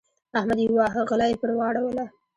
احمد يې وواهه؛ غلا يې پر واړوله.